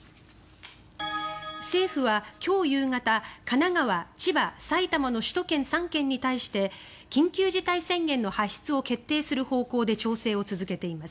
政府は今日夕方、神奈川、千葉埼玉の首都圏３県に対して緊急事態宣言の発出を決定する方向で調整を続けています。